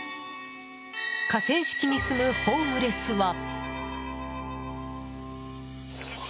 河川敷に住むホームレスは。